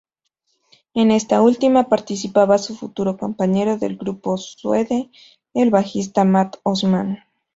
En esta última participaba su futuro compañero del grupo Suede, el bajista Mat Osman.